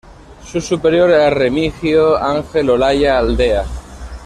Su superior era Remigio Ángel Olalla Aldea.